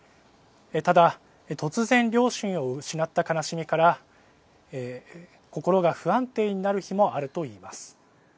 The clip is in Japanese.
ただ突然両親を失った悲しみから心が不安定になる日もあるといいます。